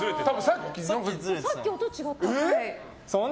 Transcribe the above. さっき音違った。